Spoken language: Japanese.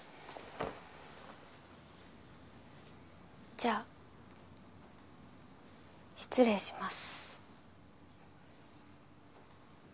じゃあ失礼します。